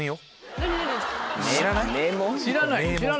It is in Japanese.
知らない？